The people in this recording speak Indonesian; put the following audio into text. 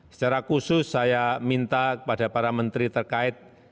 secara khusus saya minta kepada para menteri terkait